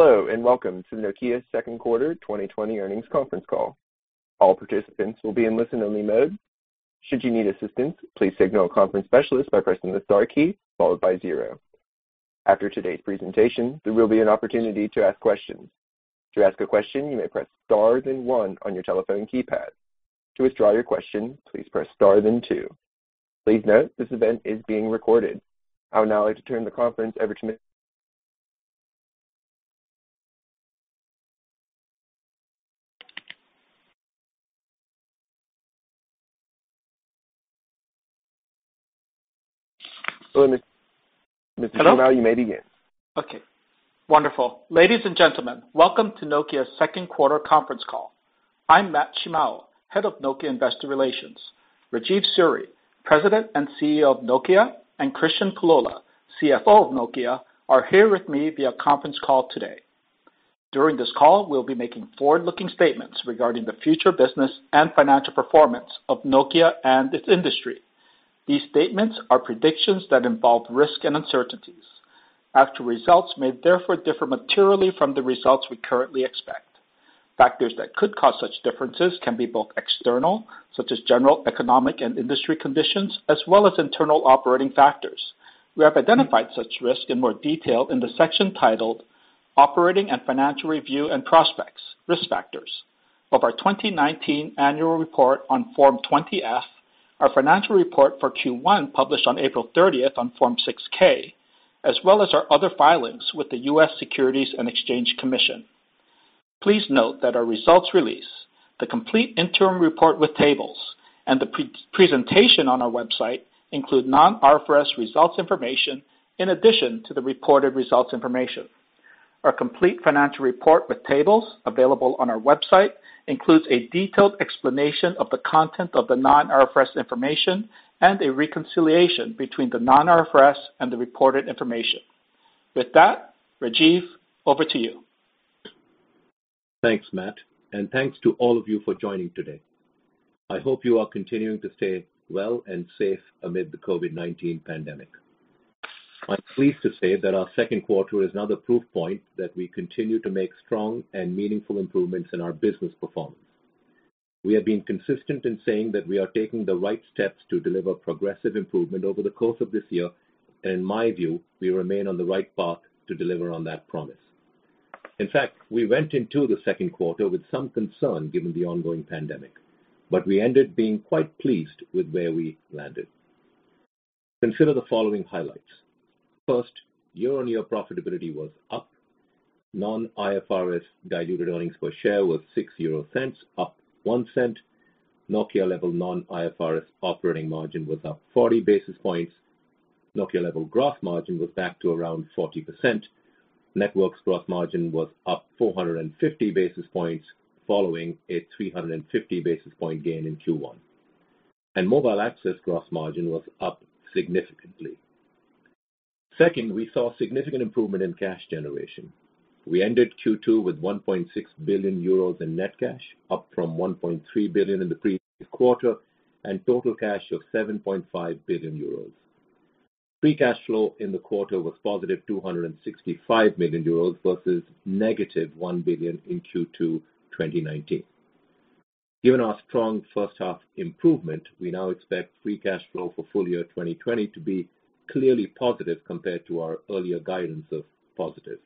Hello, and welcome to Nokia's Second Quarter 2020 Earnings Conference Call. All participants will be in listen only mode. Should you need assistance, please signal a conference specialist by pressing the star key followed by zero. After today's presentation, there will be an opportunity to ask questions. To ask a question, you may press star then one on your telephone keypad. To withdraw your question, please press star then two. Please note this event is being recorded. I would now like to turn the conference over to Mr. Shimao. You may begin. Okay. Wonderful. Ladies and gentlemen, welcome to Nokia's second quarter conference call. I'm Matt Shimao, Head of Nokia Investor Relations. Rajeev Suri, President and CEO of Nokia, and Kristian Pullola, CFO of Nokia, are here with me via conference call today. During this call, we'll be making forward-looking statements regarding the future business and financial performance of Nokia and its industry. These statements are predictions that involve risk and uncertainties. Actual results may therefore differ materially from the results we currently expect. Factors that could cause such differences can be both external, such as general economic and industry conditions, as well as internal operating factors. We have identified such risk in more detail in the section titled Operating and Financial Review and Prospects: Risk Factors of our 2019 annual report on Form 20-F, our financial report for Q1, published on April 30th on Form 6-K, as well as our other filings with the U.S. Securities and Exchange Commission. Please note that our results release, the complete interim report with tables, and the presentation on our website include non-IFRS results information in addition to the reported results information. Our complete financial report with tables available on our website includes a detailed explanation of the content of the non-IFRS information and a reconciliation between the non-IFRS and the reported information. With that, Rajeev, over to you. Thanks, Matt, and thanks to all of you for joining today. I hope you are continuing to stay well and safe amid the COVID-19 pandemic. I am pleased to say that our second quarter is another proof point that we continue to make strong and meaningful improvements in our business performance. We have been consistent in saying that we are taking the right steps to deliver progressive improvement over the course of this year, and in my view, we remain on the right path to deliver on that promise. In fact, we went into the second quarter with some concern, given the ongoing pandemic, but we ended being quite pleased with where we landed. Consider the following highlights. First, year-on-year profitability was up. Non-IFRS diluted earnings per share was 0.06, up 0.01. Nokia level non-IFRS operating margin was up 40 basis points. Nokia level gross margin was back to around 40%. Networks gross margin was up 450 basis points following a 350 basis point gain in Q1. Mobile Access gross margin was up significantly. Second, we saw significant improvement in cash generation. We ended Q2 with 1.6 billion euros in net cash, up from 1.3 billion in the previous quarter, and total cash of 7.5 billion euros. Free cash flow in the quarter was positive 265 million euros versus negative 1 billion in Q2 2019. Given our strong first half improvement, we now expect free cash flow for full year 2020 to be clearly positive compared to our earlier guidance of positive.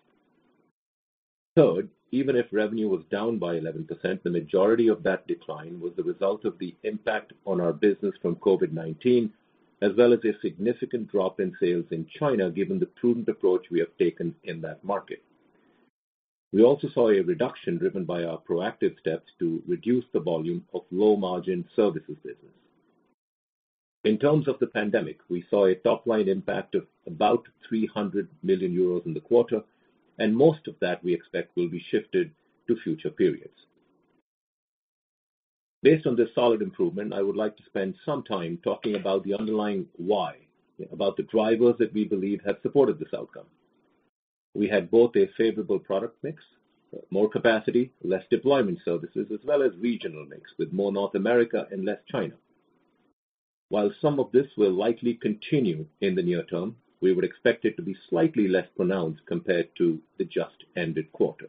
Third, even if revenue was down by 11%, the majority of that decline was the result of the impact on our business from COVID-19, as well as a significant drop in sales in China given the prudent approach we have taken in that market. We also saw a reduction driven by our proactive steps to reduce the volume of low-margin services business. In terms of the pandemic, we saw a top-line impact of about 300 million euros in the quarter. Most of that we expect will be shifted to future periods. Based on this solid improvement, I would like to spend some time talking about the underlying why, about the drivers that we believe have supported this outcome. We had both a favorable product mix, more capacity, less deployment services, as well as regional mix with more North America and less China. While some of this will likely continue in the near term, we would expect it to be slightly less pronounced compared to the just ended quarter.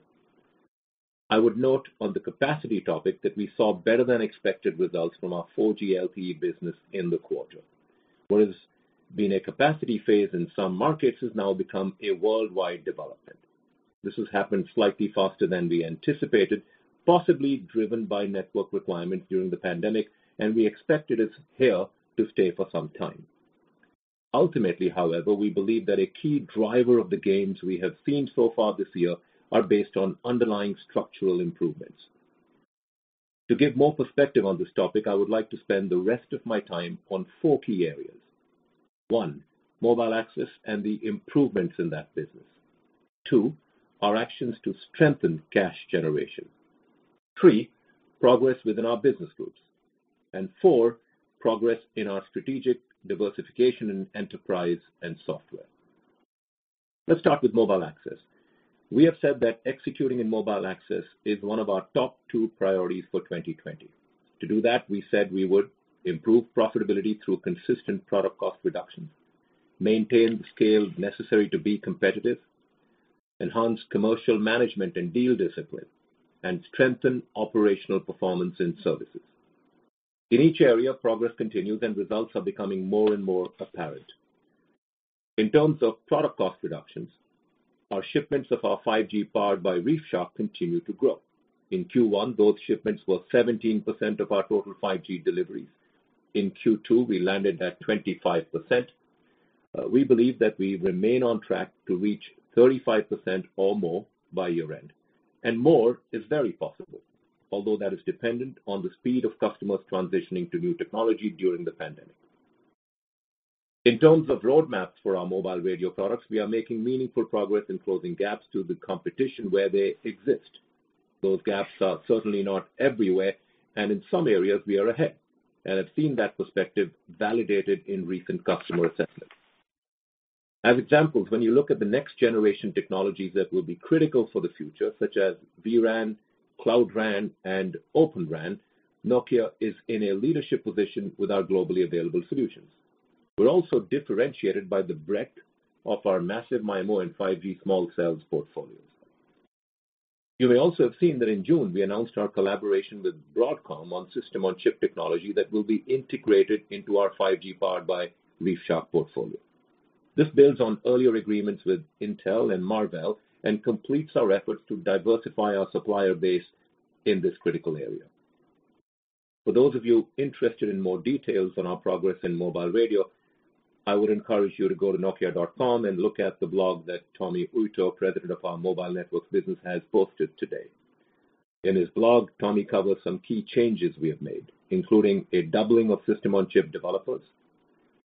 I would note on the capacity topic that we saw better than expected results from our 4G LTE business in the quarter. What has been a capacity phase in some markets has now become a worldwide development. This has happened slightly faster than we anticipated, possibly driven by network requirements during the pandemic, and we expect it is here to stay for some time. Ultimately, however, we believe that a key driver of the gains we have seen so far this year are based on underlying structural improvements. To give more perspective on this topic, I would like to spend the rest of my time on four key areas. One, Mobile Access and the improvements in that business. Two, our actions to strengthen cash generation. Three, progress within our business groups. Four, progress in our strategic diversification in Enterprise and Software. Let's start with Mobile Networks. We have said that executing in Mobile Networks is one of our top two priorities for 2020. To do that, we said we would improve profitability through consistent product cost reduction, maintain the scale necessary to be competitive, enhance commercial management and deal discipline, and strengthen operational performance in services. In each area, progress continues and results are becoming more and more apparent. In terms of product cost reductions, our shipments of our 5G Powered by ReefShark continue to grow. In Q1, those shipments were 17% of our total 5G deliveries. In Q2, we landed at 25%. We believe that we remain on track to reach 35% or more by year-end. More is very possible, although that is dependent on the speed of customers transitioning to new technology during the pandemic. In terms of roadmaps for our mobile radio products, we are making meaningful progress in closing gaps to the competition where they exist. Those gaps are certainly not everywhere, and in some areas, we are ahead and have seen that perspective validated in recent customer assessments. As examples, when you look at the next-generation technologies that will be critical for the future, such as vRAN, Cloud RAN, and Open RAN, Nokia is in a leadership position with our globally available solutions. We're also differentiated by the breadth of our Massive MIMO and 5G small cells portfolios. You may also have seen that in June, we announced our collaboration with Broadcom on System on chip technology that will be integrated into our 5G Powered by ReefShark portfolio. This builds on earlier agreements with Intel and Marvell and completes our efforts to diversify our supplier base in this critical area. For those of you interested in more details on our progress in mobile radio, I would encourage you to go to nokia.com and look at the blog that Tommi Uitto, President of our Mobile Networks business, has posted today. In his blog, Tommi covers some key changes we have made, including a doubling of System on chip developers,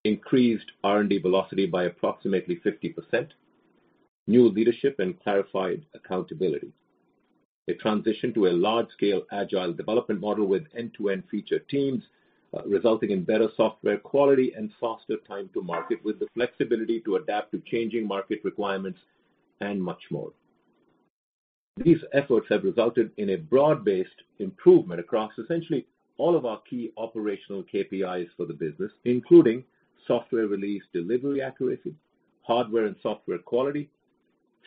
increased R&D velocity by approximately 50%, new leadership and clarified accountability. A transition to a large-scale agile development model with end-to-end feature teams, resulting in better software quality and faster time to market with the flexibility to adapt to changing market requirements, and much more. These efforts have resulted in a broad-based improvement across essentially all of our key operational KPIs for the business, including software release delivery accuracy, hardware and software quality,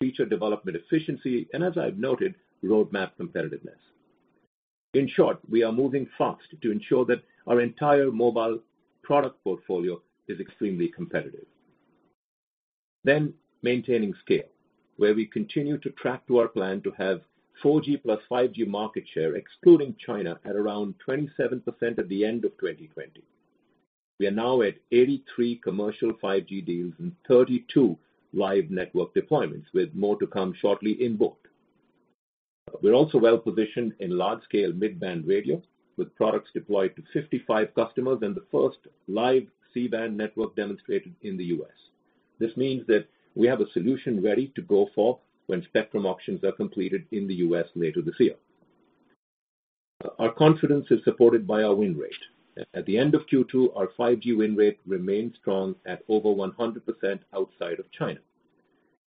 feature development efficiency, and as I've noted, roadmap competitiveness. We are moving fast to ensure that our entire mobile product portfolio is extremely competitive. Maintaining scale, where we continue to track to our plan to have 4G plus 5G market share, excluding China, at around 27% at the end of 2020. We are now at 83 commercial 5G deals and 32 live network deployments, with more to come shortly in both. We're also well-positioned in large-scale mid-band radio with products deployed to 55 customers and the first live C-band network demonstrated in the U.S. This means that we have a solution ready to go for when spectrum auctions are completed in the U.S. later this year. Our confidence is supported by our win rate. At the end of Q2, our 5G win rate remains strong at over 100% outside of China.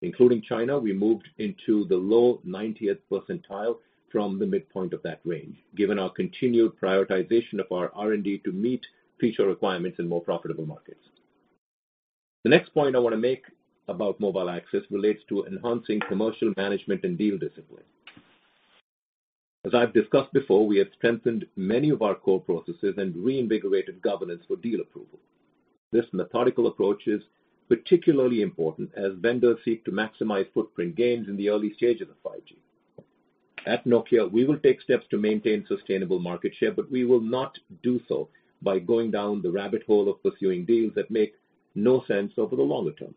Including China, we moved into the low 90th percentile from the midpoint of that range, given our continued prioritization of our R&D to meet feature requirements in more profitable markets. The next point I want to make about Mobile Access relates to enhancing commercial management and deal discipline. As I've discussed before, we have strengthened many of our core processes and reinvigorated governance for deal approval. This methodical approach is particularly important as vendors seek to maximize footprint gains in the early stages of 5G. At Nokia, we will take steps to maintain sustainable market share, but we will not do so by going down the rabbit hole of pursuing deals that make no sense over the longer term.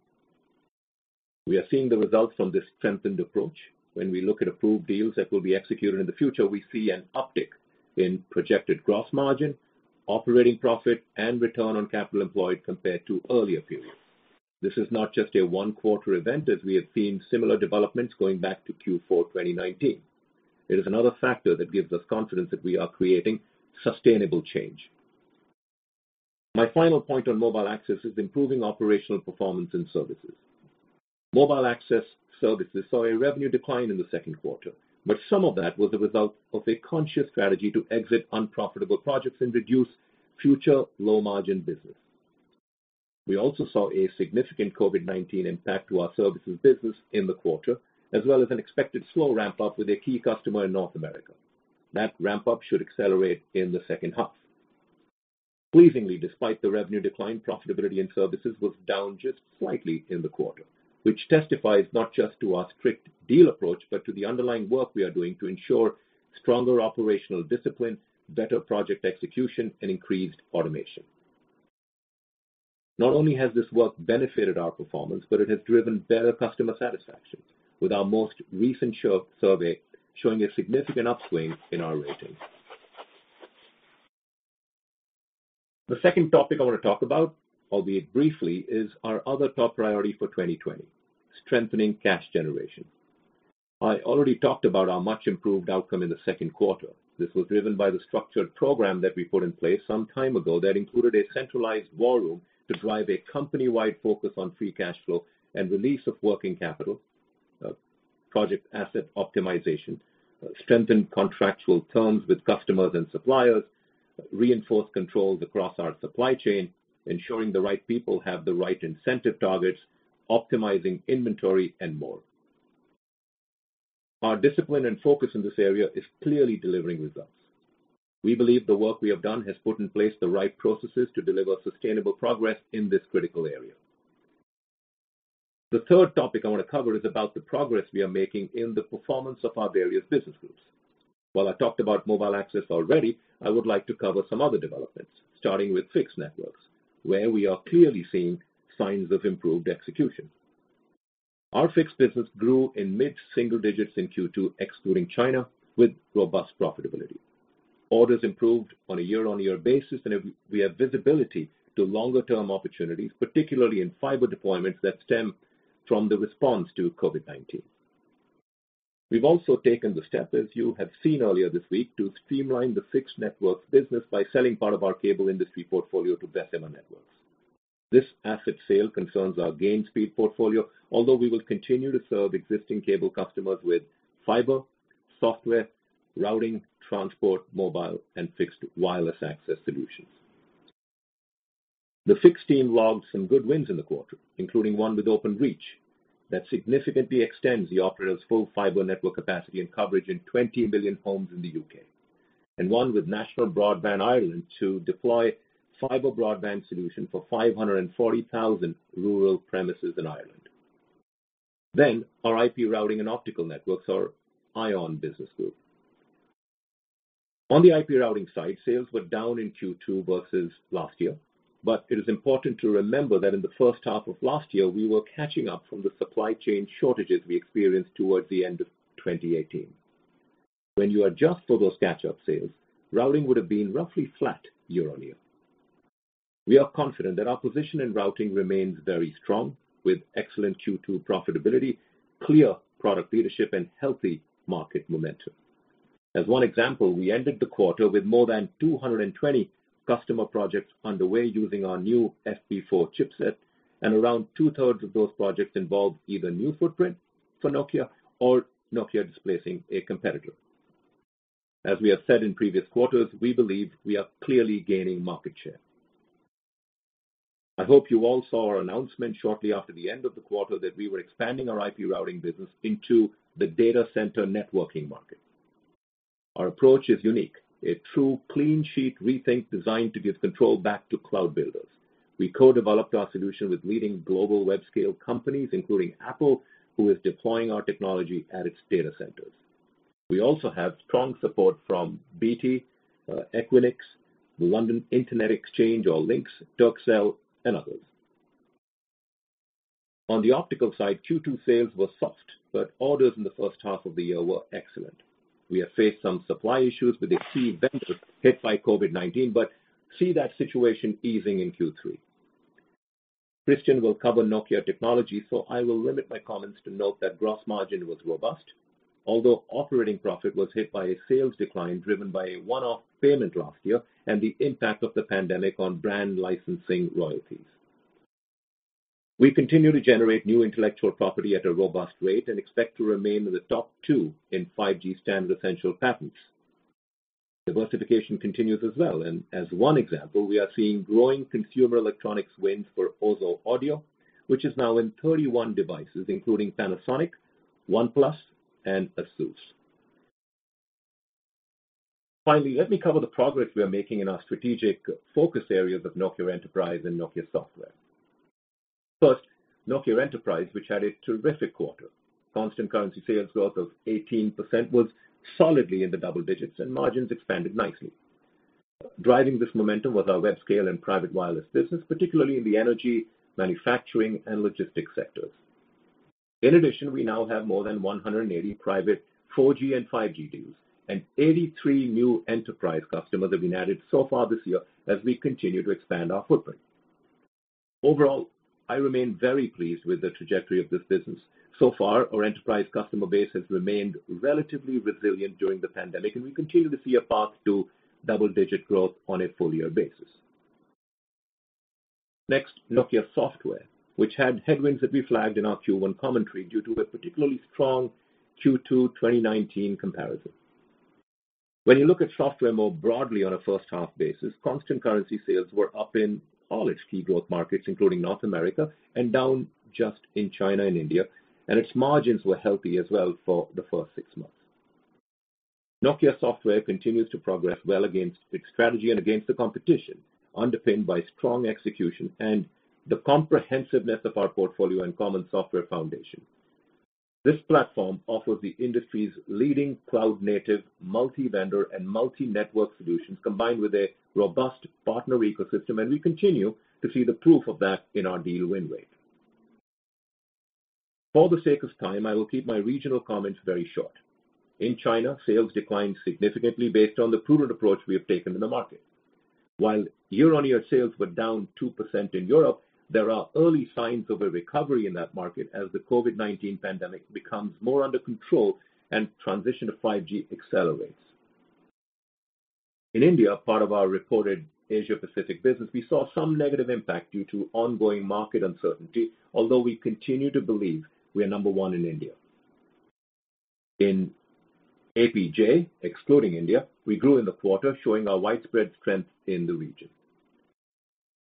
We are seeing the results from this strengthened approach. When we look at approved deals that will be executed in the future, we see an uptick in projected gross margin, operating profit, and return on capital employed compared to earlier periods. This is not just a one-quarter event as we have seen similar developments going back to Q4 2019. It is another factor that gives us confidence that we are creating sustainable change. My final point on Mobile Access is improving operational performance in services. Mobile Access services saw a revenue decline in the second quarter, Some of that was a result of a conscious strategy to exit unprofitable projects and reduce future low-margin business. We also saw a significant COVID-19 impact to our services business in the quarter, as well as an expected slow ramp-up with a key customer in North America. That ramp-up should accelerate in the second half. Pleasingly, despite the revenue decline, profitability in services was down just slightly in the quarter, which testifies not just to our strict deal approach, but to the underlying work we are doing to ensure stronger operational discipline, better project execution, and increased automation. Not only has this work benefited our performance, but it has driven better customer satisfaction with our most recent survey showing a significant upswing in our ratings. The second topic I want to talk about, albeit briefly, is our other top priority for 2020: strengthening cash generation. I already talked about our much-improved outcome in the second quarter. This was driven by the structured program that we put in place some time ago that included a centralized war room to drive a company-wide focus on free cash flow and release of working capital. Project asset optimization. Strengthen contractual terms with customers and suppliers, reinforce controls across our supply chain, ensuring the right people have the right incentive targets, optimizing inventory and more. Our discipline and focus in this area is clearly delivering results. We believe the work we have done has put in place the right processes to deliver sustainable progress in this critical area. The third topic I want to cover is about the progress we are making in the performance of our various business groups. While I talked about Mobile Networks already, I would like to cover some other developments, starting with Fixed Networks, where we are clearly seeing signs of improved execution. Our Fixed Networks business grew in mid-single digits in Q2, excluding China, with robust profitability. Orders improved on a year-on-year basis, and we have visibility to longer-term opportunities, particularly in fiber deployments that stem from the response to COVID-19. We've also taken the step, as you have seen earlier this week, to streamline the fixed networks business by selling part of our cable industry portfolio to Vecima Networks. This asset sale concerns our Gainspeed portfolio, although we will continue to serve existing cable customers with fiber, software, routing, transport, mobile, and fixed wireless access solutions. The fixed team logged some good wins in the quarter, including one with Openreach that significantly extends the operator's full fiber network capacity and coverage in 20 million homes in the U.K. One with National Broadband Ireland to deploy fiber broadband solution for 540,000 rural premises in Ireland. Our IP routing and optical networks, or ION, business group. On the IP routing side, sales were down in Q2 versus last year. It is important to remember that in the first half of last year, we were catching up from the supply chain shortages we experienced towards the end of 2018. When you adjust for those catch-up sales, routing would have been roughly flat year-on-year. We are confident that our position in routing remains very strong with excellent Q2 profitability, clear product leadership, and healthy market momentum. As one example, we ended the quarter with more than 220 customer projects underway using our new FP4 chipset, and around two-thirds of those projects involved either new footprint for Nokia or Nokia displacing a competitor. As we have said in previous quarters, we believe we are clearly gaining market share. I hope you all saw our announcement shortly after the end of the quarter that we were expanding our IP routing business into the data center networking market. Our approach is unique, a true clean sheet rethink designed to give control back to cloud builders. We co-developed our solution with leading global web-scale companies, including Apple, who is deploying our technology at its data centers. We also have strong support from BT, Equinix, the London Internet Exchange, or LINX, Turkcell and others. On the optical side, Q2 sales were soft, but orders in the first half of the year were excellent. We have faced some supply issues with a key vendor hit by COVID-19, but see that situation easing in Q3. Kristian will cover Nokia Technologies, so I will limit my comments to note that gross margin was robust. Although operating profit was hit by a sales decline driven by a one-off payment last year and the impact of the pandemic on brand licensing royalties. We continue to generate new intellectual property at a robust rate and expect to remain in the top two in 5G standard essential patents. Diversification continues as well, and as one example, we are seeing growing consumer electronics wins for OZO Audio, which is now in 31 devices, including Panasonic, OnePlus, and ASUS. Finally, let me cover the progress we are making in our strategic focus areas of Nokia Enterprise and Nokia Software. First, Nokia Enterprise, which had a terrific quarter. Constant currency sales growth of 18% was solidly in the double digits and margins expanded nicely. Driving this momentum was our web scale and private wireless business, particularly in the energy, manufacturing and logistics sectors. In addition, we now have more than 180 private 4G and 5G deals and 83 new enterprise customers have been added so far this year as we continue to expand our footprint. Overall, I remain very pleased with the trajectory of this business. Our enterprise customer base has remained relatively resilient during the pandemic, and we continue to see a path to double-digit growth on a full-year basis. Next, Nokia Software, which had headwinds that we flagged in our Q1 commentary due to a particularly strong Q2 2019 comparison. When you look at software more broadly on a first half basis, constant currency sales were up in all its key growth markets, including North America, and down just in China and India, and its margins were healthy as well for the first six months. Nokia Software continues to progress well against its strategy and against the competition, underpinned by strong execution and the comprehensiveness of our portfolio and common software foundation. This platform offers the industry's leading cloud-native, multi-vendor, and multi-network solutions combined with a robust partner ecosystem. We continue to see the proof of that in our deal win rate. For the sake of time, I will keep my regional comments very short. In China, sales declined significantly based on the prudent approach we have taken in the market. While year-on-year sales were down 2% in Europe, there are early signs of a recovery in that market as the COVID-19 pandemic becomes more under control and transition to 5G accelerates. In India, part of our reported Asia-Pacific business, we saw some negative impact due to ongoing market uncertainty, although we continue to believe we are number one in India. In APJ, excluding India, we grew in the quarter, showing our widespread strength in the region.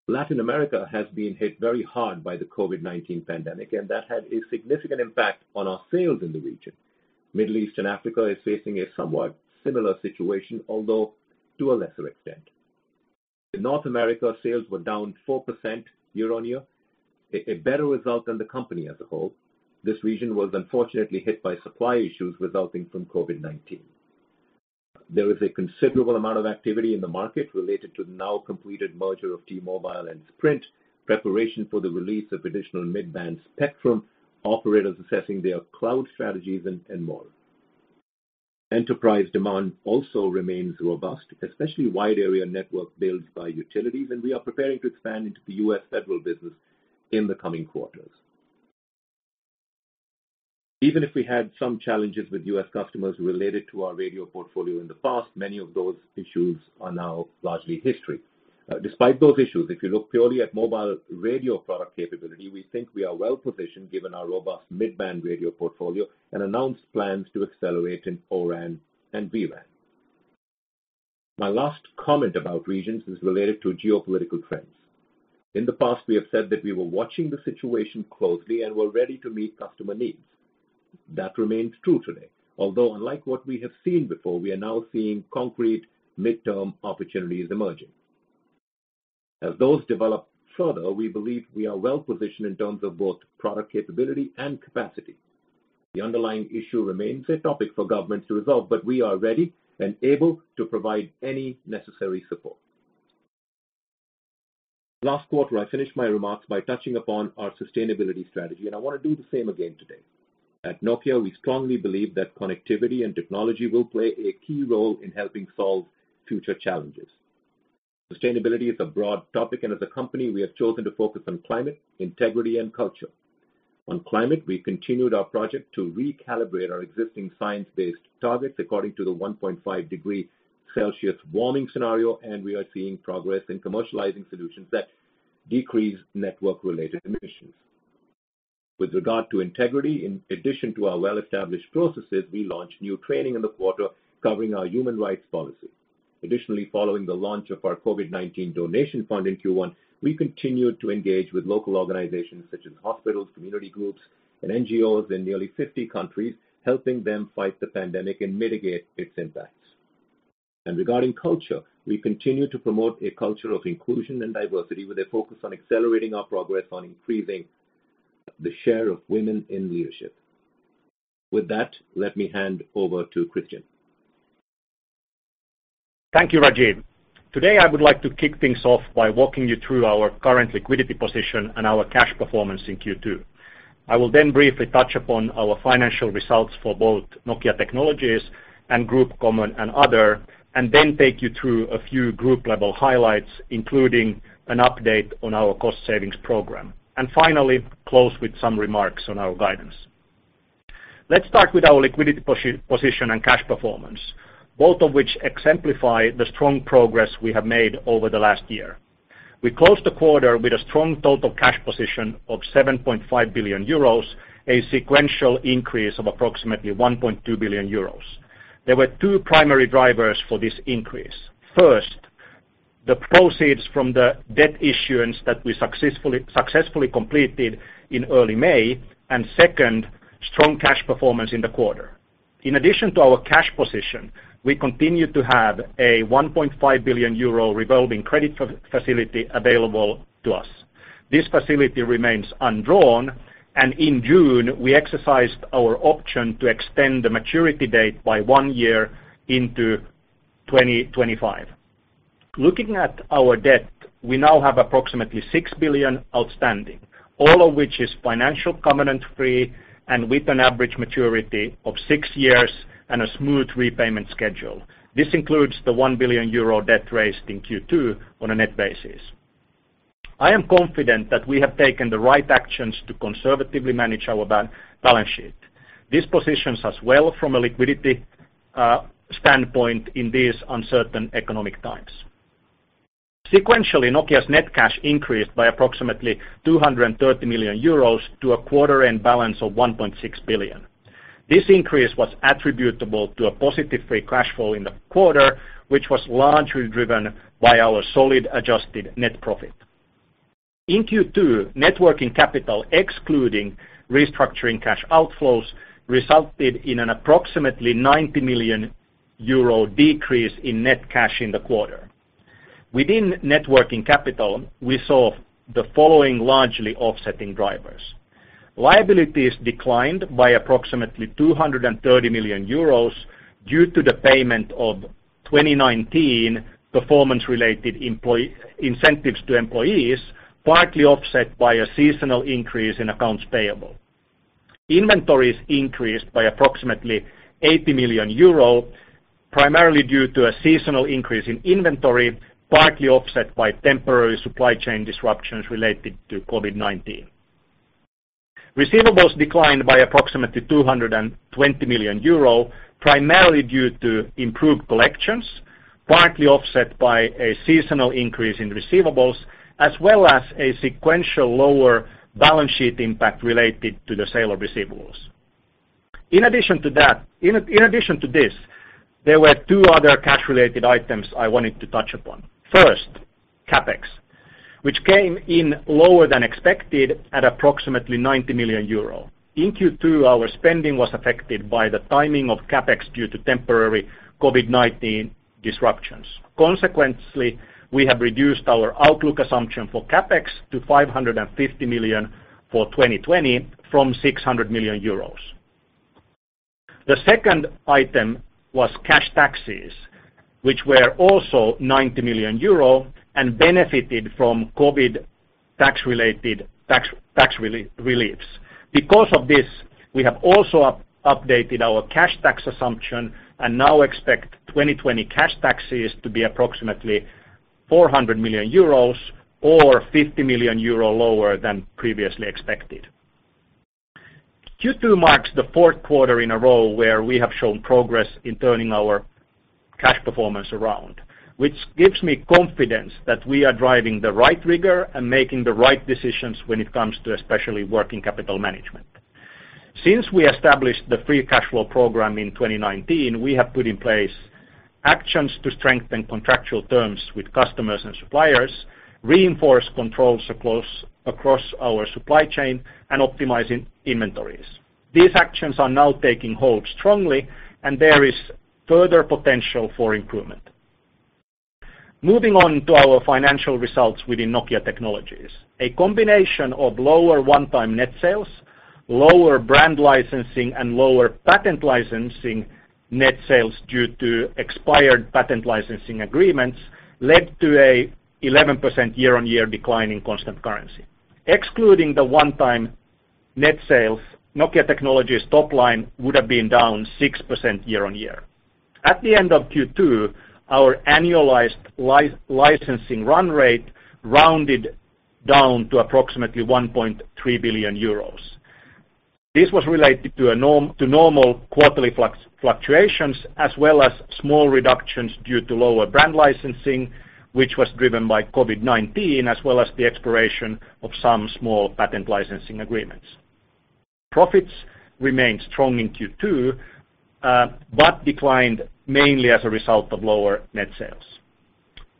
Latin America has been hit very hard by the COVID-19 pandemic, and that had a significant impact on our sales in the region. Middle East and Africa is facing a somewhat similar situation, although to a lesser extent. In North America, sales were down 4% year-on-year, a better result than the company as a whole. This region was unfortunately hit by supply issues resulting from COVID-19. There is a considerable amount of activity in the market related to the now completed merger of T-Mobile and Sprint, preparation for the release of additional mid-band spectrum, operators assessing their cloud strategies, and more. Enterprise demand also remains robust, especially wide-area network builds by utilities, and we are preparing to expand into the U.S. federal business in the coming quarters. Even if we had some challenges with U.S. customers related to our radio portfolio in the past, many of those issues are now largely history. Despite those issues, if you look purely at mobile radio product capability, we think we are well-positioned given our robust mid-band radio portfolio and announced plans to accelerate in Open RAN and vRAN. My last comment about regions is related to geopolitical trends. In the past, we have said that we were watching the situation closely and we're ready to meet customer needs. That remains true today. Although, unlike what we have seen before, we are now seeing concrete midterm opportunities emerging. As those develop further, we believe we are well-positioned in terms of both product capability and capacity. The underlying issue remains a topic for governments to resolve, but we are ready and able to provide any necessary support. Last quarter, I finished my remarks by touching upon our sustainability strategy. I want to do the same again today. At Nokia, we strongly believe that connectivity and technology will play a key role in helping solve future challenges. Sustainability is a broad topic. As a company, we have chosen to focus on climate, integrity, and culture. On climate, we continued our project to recalibrate our existing science-based targets according to the 1.5 degrees Celsius warming scenario. We are seeing progress in commercializing solutions that decrease network-related emissions. With regard to integrity, in addition to our well-established processes, we launched new training in the quarter covering our human rights policy. Additionally, following the launch of our COVID-19 donation fund in Q1, we continued to engage with local organizations such as hospitals, community groups, and NGOs in nearly 50 countries, helping them fight the pandemic and mitigate its impacts. Regarding culture, we continue to promote a culture of inclusion and diversity with a focus on accelerating our progress on increasing the share of women in leadership. With that, let me hand over to Kristian. Thank you, Rajeev. Today, I would like to kick things off by walking you through our current liquidity position and our cash performance in Q2. I will then briefly touch upon our financial results for both Nokia Technologies and Group Common and Other. Then take you through a few group-level highlights, including an update on our cost savings program. Finally close with some remarks on our guidance. Let's start with our liquidity position and cash performance, both of which exemplify the strong progress we have made over the last year. We closed the quarter with a strong total cash position of 7.5 billion euros, a sequential increase of approximately 1.2 billion euros. There were two primary drivers for this increase. First, the proceeds from the debt issuance that we successfully completed in early May. Second, strong cash performance in the quarter. In addition to our cash position, we continue to have a 1.5 billion euro revolving credit facility available to us. This facility remains undrawn, and in June, we exercised our option to extend the maturity date by one year into 2025. Looking at our debt, we now have approximately 6 billion outstanding, all of which is financial covenant free and with an average maturity of six years and a smooth repayment schedule. This includes the 1 billion euro debt raised in Q2 on a net basis. I am confident that we have taken the right actions to conservatively manage our balance sheet. This positions us well from a liquidity standpoint in these uncertain economic times. Sequentially, Nokia's net cash increased by approximately 230 million euros to a quarter-end balance of 1.6 billion. This increase was attributable to a positive free cash flow in the quarter, which was largely driven by our solid adjusted net profit. In Q2, net working capital excluding restructuring cash outflows resulted in an approximately 90 million euro decrease in net cash in the quarter. Within net working capital, we saw the following largely offsetting drivers. Liabilities declined by approximately 230 million euros due to the payment of 2019 performance-related incentives to employees, partly offset by a seasonal increase in accounts payable. Inventories increased by approximately 80 million euro, primarily due to a seasonal increase in inventory, partly offset by temporary supply chain disruptions related to COVID-19. Receivables declined by approximately 220 million euro, primarily due to improved collections, partly offset by a seasonal increase in receivables, as well as a sequential lower balance sheet impact related to the sale of receivables. In addition to this, there were two other cash-related items I wanted to touch upon. First, CapEx, which came in lower than expected at approximately 90 million euro. In Q2, our spending was affected by the timing of CapEx due to temporary COVID-19 disruptions. Consequently, we have reduced our outlook assumption for CapEx to 550 million for 2020 from 600 million euros. The second item was cash taxes, which were also 90 million euro and benefited from COVID tax-related tax reliefs. Because of this, we have also updated our cash tax assumption and now expect 2020 cash taxes to be approximately 400 million euros or 50 million euro lower than previously expected. Q2 marks the fourth quarter in a row where we have shown progress in turning our cash performance around, which gives me confidence that we are driving the right rigor and making the right decisions when it comes to especially working capital management. Since we established the free cash flow program in 2019, we have put in place actions to strengthen contractual terms with customers and suppliers, reinforce controls across our supply chain, and optimizing inventories. These actions are now taking hold strongly, and there is further potential for improvement. Moving on to our financial results within Nokia Technologies. A combination of lower one-time net sales, lower brand licensing, and lower patent licensing net sales due to expired patent licensing agreements led to an 11% year-on-year decline in constant currency. Excluding the one-time net sales, Nokia Technologies' top line would have been down 6% year-on-year. At the end of Q2, our annualized licensing run rate rounded down to approximately 1.3 billion euros. This was related to normal quarterly fluctuations, as well as small reductions due to lower brand licensing, which was driven by COVID-19, as well as the expiration of some small patent licensing agreements. Profits remained strong in Q2, but declined mainly as a result of lower net sales.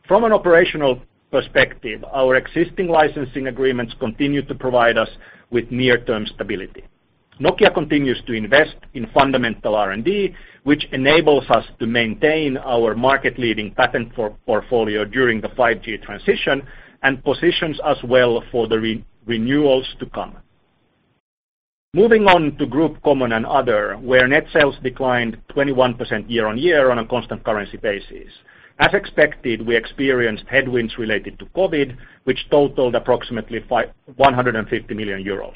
From an operational perspective, our existing licensing agreements continue to provide us with near-term stability. Nokia continues to invest in fundamental R&D, which enables us to maintain our market-leading patent portfolio during the 5G transition and positions us well for the renewals to come. Moving on to Group Common and Other, where net sales declined 21% year-on-year on a constant currency basis. As expected, we experienced headwinds related to COVID, which totaled approximately 150 million euros.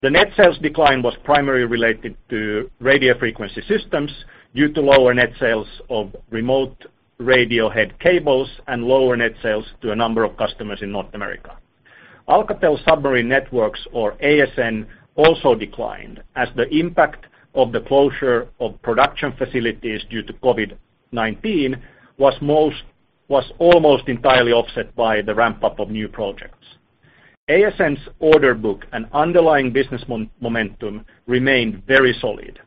The net sales decline was primarily related to Radio frequency systems due to lower net sales of remote radio head cables and lower net sales to a number of customers in North America. Alcatel Submarine Networks, or ASN, also declined as the impact of the closure of production facilities due to COVID-19 was almost entirely offset by the ramp-up of new projects. ASN's order book and underlying business momentum remained very solid.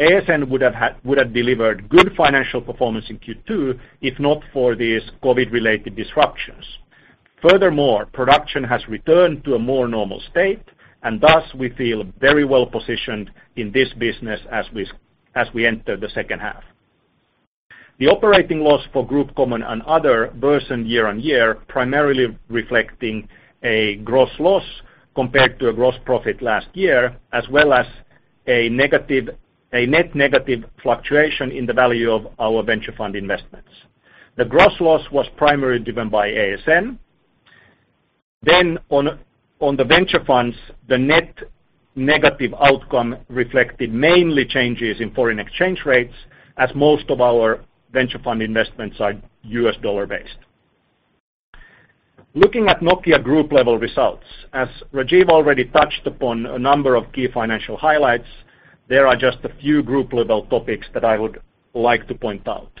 ASN would have delivered good financial performance in Q2 if not for these COVID-related disruptions. Furthermore, production has returned to a more normal state, and thus we feel very well-positioned in this business as we enter the second half. The operating loss for Group Common and Other worsened year-on-year, primarily reflecting a gross loss compared to a gross profit last year, as well as a net negative fluctuation in the value of our venture fund investments. The gross loss was primarily driven by ASN. On the venture funds, the net negative outcome reflected mainly changes in foreign exchange rates as most of our venture fund investments are US dollar based. Looking at Nokia group-level results, as Rajeev already touched upon a number of key financial highlights, there are just a few group-level topics that I would like to point out.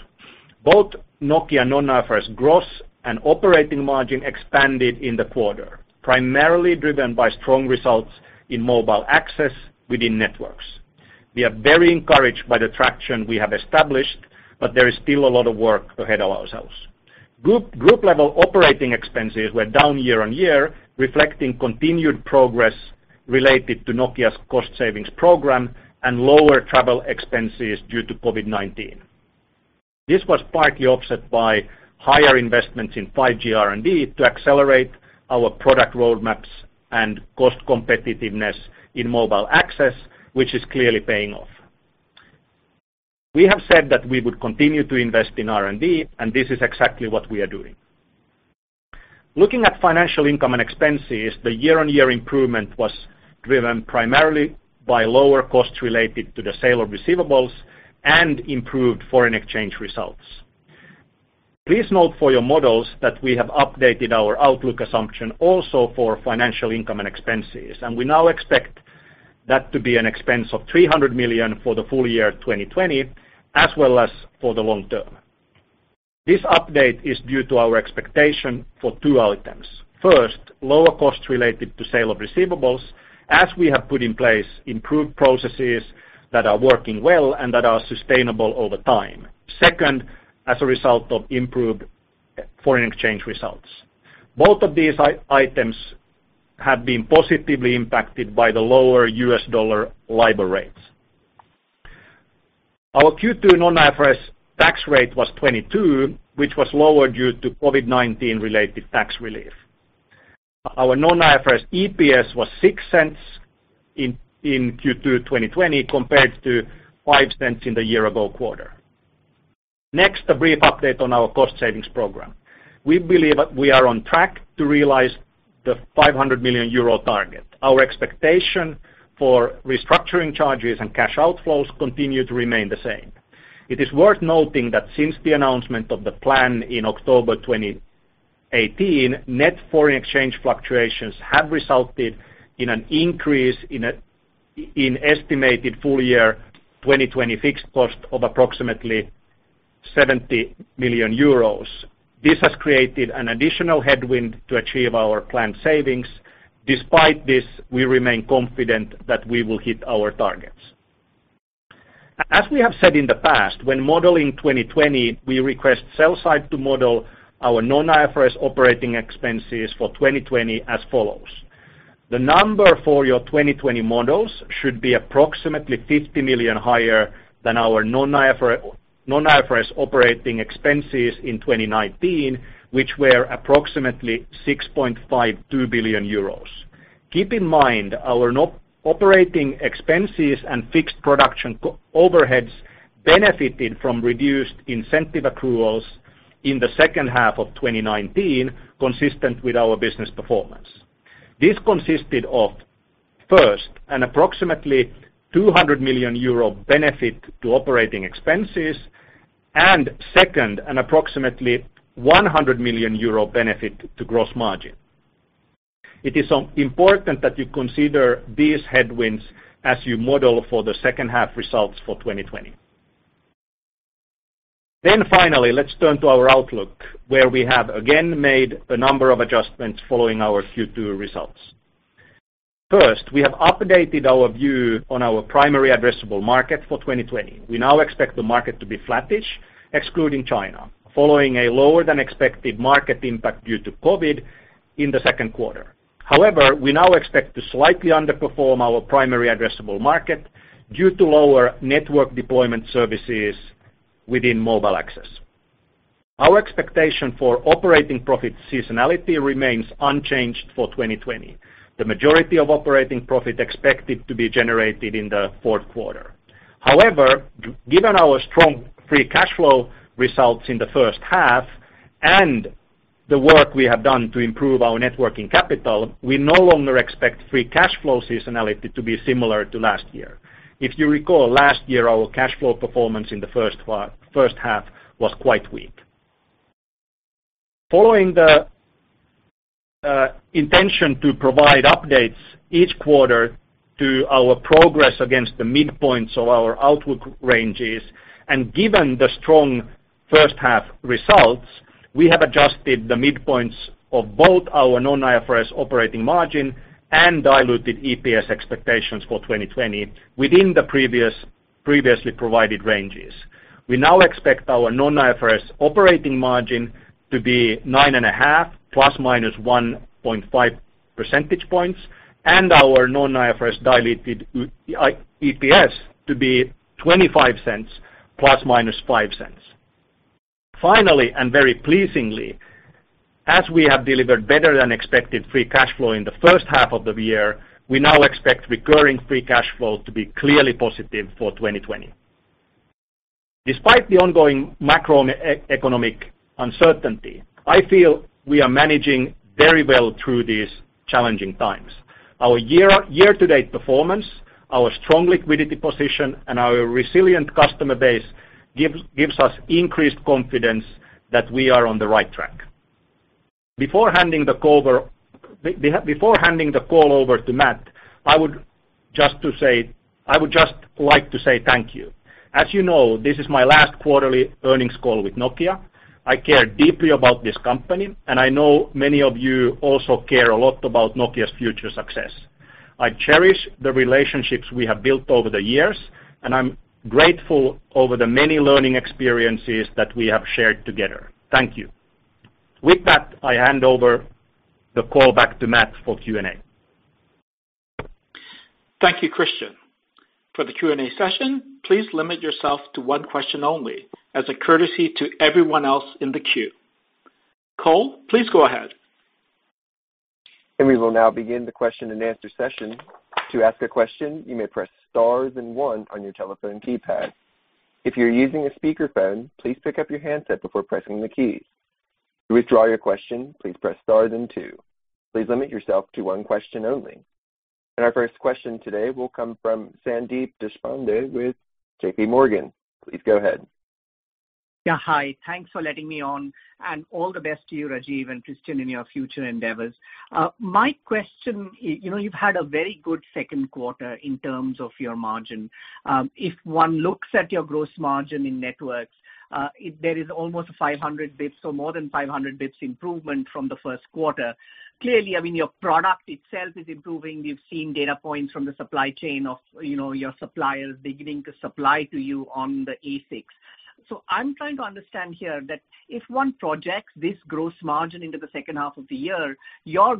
Both Nokia and non-IFRS gross and operating margin expanded in the quarter, primarily driven by strong results in Mobile Networks within Networks. We are very encouraged by the traction we have established, but there is still a lot of work ahead of ourselves. group-level operating expenses were down year-on-year, reflecting continued progress related to Nokia's cost savings program and lower travel expenses due to COVID-19. This was partly offset by higher investments in 5G R&D to accelerate our product roadmaps and cost competitiveness in mobile access, which is clearly paying off. We have said that we would continue to invest in R&D. This is exactly what we are doing. Looking at financial income and expenses, the year-on-year improvement was driven primarily by lower costs related to the sale of receivables and improved foreign exchange results. Please note for your models that we have updated our outlook assumption also for financial income and expenses. We now expect that to be an expense of 300 million for the full year 2020, as well as for the long term. This update is due to our expectation for two items. First, lower costs related to sale of receivables, as we have put in place improved processes that are working well and that are sustainable over time. Second, as a result of improved foreign exchange results. Both of these items have been positively impacted by the lower US dollar LIBOR rates. Our Q2 non-IFRS tax rate was 22%, which was lower due to COVID-19 related tax relief. Our non-IFRS EPS was 0.06 in Q2 2020 compared to 0.05 in the year ago quarter. A brief update on our cost savings program. We believe we are on track to realize the 500 million euro target. Our expectation for restructuring charges and cash outflows continue to remain the same. It is worth noting that since the announcement of the plan in October 2018, net foreign exchange fluctuations have resulted in an increase in estimated full year 2020 fixed cost of approximately 70 million euros. This has created an additional headwind to achieve our planned savings. Despite this, we remain confident that we will hit our targets. As we have said in the past, when modeling 2020, we request sell side to model our non-IFRS operating expenses for 2020 as follows. The number for your 2020 models should be approximately 50 million higher than our non-IFRS operating expenses in 2019, which were approximately 6.52 billion euros. Keep in mind, our operating expenses and fixed production overheads benefited from reduced incentive accruals in the second half of 2019, consistent with our business performance. This consisted of, first, an approximately 200 million euro benefit to operating expenses, and second, an approximately 100 million euro benefit to gross margin. It is important that you consider these headwinds as you model for the second half results for 2020. Finally, let's turn to our outlook, where we have again made a number of adjustments following our Q2 results. First, we have updated our view on our primary addressable market for 2020. We now expect the market to be flattish, excluding China, following a lower than expected market impact due to COVID in the second quarter. However, we now expect to slightly underperform our primary addressable market due to lower network deployment services within mobile access. Our expectation for operating profit seasonality remains unchanged for 2020, the majority of operating profit expected to be generated in the fourth quarter. However, given our strong free cash flow results in the first half and the work we have done to improve our net working capital, we no longer expect free cash flow seasonality to be similar to last year. If you recall, last year our cash flow performance in the first half was quite weak. Following the intention to provide updates each quarter to our progress against the midpoints of our outlook ranges, and given the strong first half results, we have adjusted the midpoints of both our non-IFRS operating margin and diluted EPS expectations for 2020 within the previously provided ranges. We now expect our non-IFRS operating margin to be 9.5%, ± 1.5 percentage points, and our non-IFRS diluted EPS to be 0.25, ± 0.05. Finally, and very pleasingly, as we have delivered better than expected free cash flow in the first half of the year, we now expect recurring free cash flow to be clearly positive for 2020. Despite the ongoing macroeconomic uncertainty, I feel we are managing very well through these challenging times. Our year-to-date performance, our strong liquidity position, and our resilient customer base gives us increased confidence that we are on the right track. Before handing the call over to Matt, I would just like to say thank you. As you know, this is my last quarterly earnings call with Nokia. I care deeply about this company, and I know many of you also care a lot about Nokia's future success. I cherish the relationships we have built over the years, and I'm grateful over the many learning experiences that we have shared together. Thank you. With that, I hand over the call back to Matt for Q&A. Thank you, Kristian. For the Q&A session, please limit yourself to one question only as a courtesy to everyone else in the queue. Cole, please go ahead. We will now begin the question-and-answer session. To ask a question, you may press star and one on your telephone keypad. If you're using a speakerphone, please pick up your handset before pressing the keys. To withdraw your question, please press star then two. Please limit yourself to one question only. Our first question today will come from Sandeep Deshpande with JPMorgan. Please go ahead. Yeah. Hi. Thanks for letting me on, and all the best to you, Rajeev and Kristian, in your future endeavors. My question, you've had a very good second quarter in terms of your margin. If one looks at your gross margin in Networks, there is almost 500 basis points or more than 500 basis points improvement from the first quarter. Clearly, your product itself is improving. We've seen data points from the supply chain of your suppliers beginning to supply to you on the ASICs. I'm trying to understand here that if one projects this gross margin into the second half of the year, your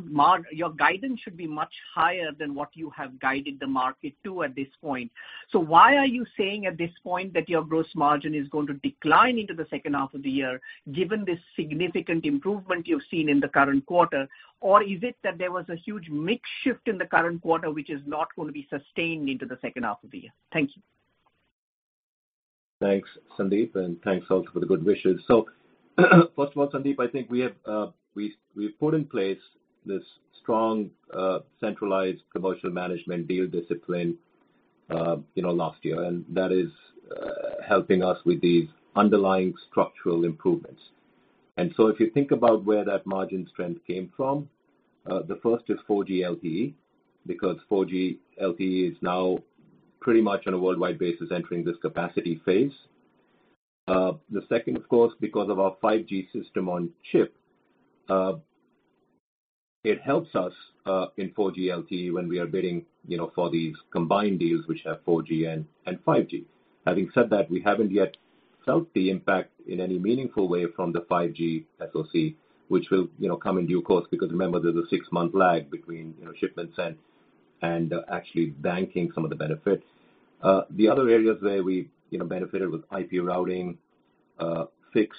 guidance should be much higher than what you have guided the market to at this point. Why are you saying at this point that your gross margin is going to decline into the second half of the year, given this significant improvement you've seen in the current quarter? Is it that there was a huge mix shift in the current quarter, which is not going to be sustained into the second half of the year? Thank you. Thanks, Sandeep, and thanks also for the good wishes. First of all, Sandeep, I think we've put in place this strong, centralized commercial management deal discipline last year, and that is helping us with these underlying structural improvements. If you think about where that margin strength came from, the first is 4G LTE, because 4G LTE is now pretty much on a worldwide basis entering this capacity phase. The second, of course, because of our 5G System on chip. It helps us in 4G LTE when we are bidding for these combined deals, which have 4G and 5G. Having said that, we haven't yet felt the impact in any meaningful way from the 5G SoC, which will come in due course, because remember, there's a six-month lag between shipments and actually banking some of the benefits. The other areas where we benefited was IP routing, fixed,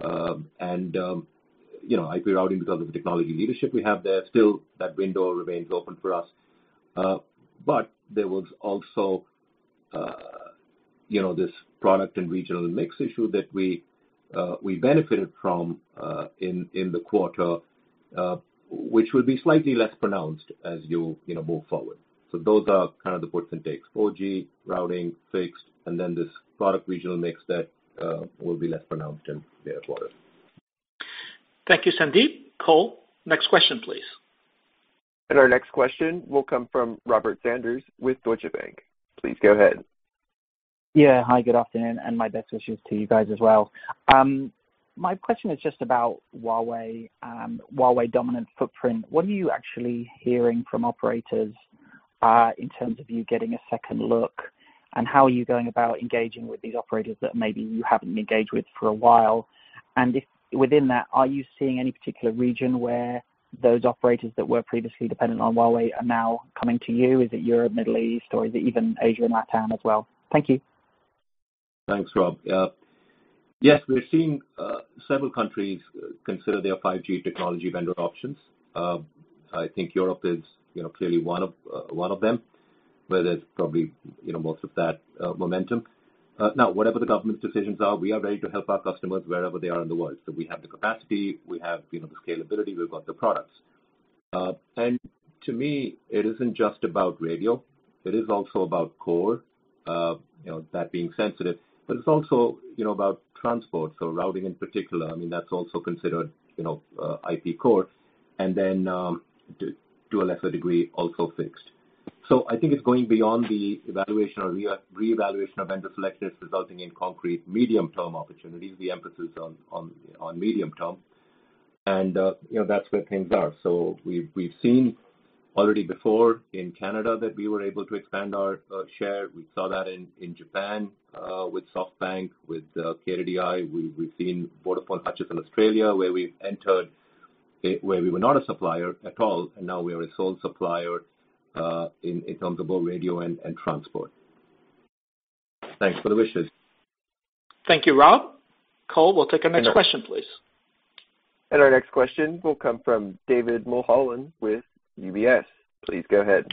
and IP routing because of the technology leadership we have there. Still, that window remains open for us. There was also this product and regional mix issue that we benefited from in the quarter, which will be slightly less pronounced as you move forward. Those are kind of the puts and takes. 4G, routing, fixed, and then this product regional mix that will be less pronounced in later quarters. Thank you, Sandeep. Cole, next question, please. Our next question will come from Robert Sanders with Deutsche Bank. Please go ahead. Yeah. Hi, good afternoon, and my best wishes to you guys as well. My question is just about Huawei dominant footprint. What are you actually hearing from operators, in terms of you getting a second look, and how are you going about engaging with these operators that maybe you haven't engaged with for a while? If within that, are you seeing any particular region where those operators that were previously dependent on Huawei are now coming to you? Is it Europe, Middle East, or is it even Asia and LATAM as well? Thank you. Thanks, Rob. Yes, we're seeing several countries consider their 5G technology vendor options. I think Europe is clearly one of them, where there's probably most of that momentum. Whatever the government's decisions are, we are ready to help our customers wherever they are in the world. We have the capacity, we have the scalability, we've got the products. To me, it isn't just about radio. It is also about core, that being sensitive, but it's also about transport, so routing in particular. I mean, that's also considered IP core, and then to a lesser degree, also fixed. I think it's going beyond the evaluation or reevaluation of vendor selections resulting in concrete medium-term opportunities, the emphasis on medium-term. That's where things are. We've seen already before in Canada that we were able to expand our share. We saw that in Japan with SoftBank, with KDDI. We've seen Vodafone Hutchison Australia, where we've entered where we were not a supplier at all, and now we are a sole supplier in terms of both radio and transport. Thanks for the wishes. Thank you, Rob. Cole, we'll take our next question, please. Our next question will come from David Mulholland with UBS. Please go ahead.